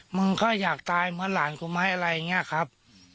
มึงก็อยากตายเหมือนหลานกูไหมอะไรอย่างนี้ครับ